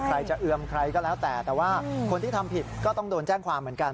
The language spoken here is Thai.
ใครจะเอือมใครก็แล้วแต่แต่ว่าคนที่ทำผิดก็ต้องโดนแจ้งความเหมือนกัน